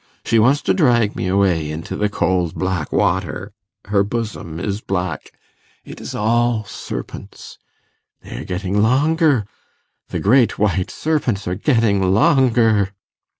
she wants to drag me away into the cold black water ... her bosom is black ... it is all serpents ... they are getting longer ... the great white serpents are getting longer